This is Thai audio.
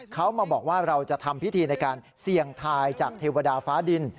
เขามาบอกว่าเราจะทำพิธีในการเสี่ยงทายจากเทวดาฟ้าดิน